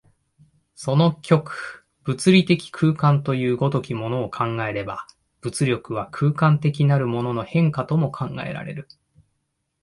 その極、物理的空間という如きものを考えれば、物力は空間的なるものの変化とも考えられる。